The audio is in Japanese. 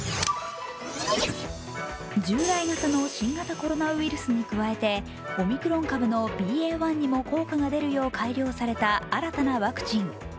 従来型の新型コロナウイルスに加えて、オミクロン株ＢＡ．１にも効果が出るよう改良された新たなワクチン。